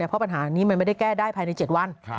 เพราะปัญหานี้มันไม่ได้แก้ได้ภายใน๗วัน